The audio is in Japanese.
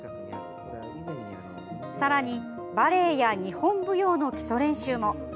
さらに、バレエや日本舞踊の基礎練習も。